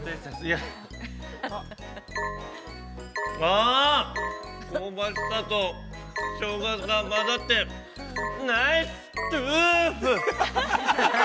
ああ、香ばしさと、しょうがが混ざってナイストゥーフ。